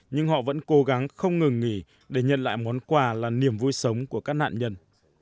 nhưng họ vẫn cố gắng không ngừng nghỉ để nhận lại món quà là niềm vui sống của các nạn nhân